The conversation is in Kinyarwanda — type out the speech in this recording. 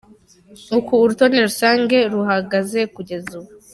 Uko urutonde rusange ruhagaze kugeza ubu:.